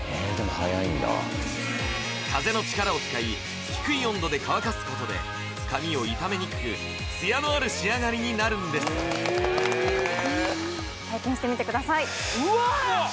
風の力を使い低い温度で乾かすことで髪を傷めにくくツヤのある仕上がりになるんです体験してみてくださいうわっ！